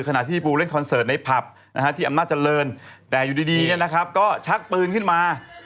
ขณะที่ปูเล่นคอนเสิร์ตในผับที่อำนาจเจริญแต่อยู่ดีก็ชักปืนขึ้นมา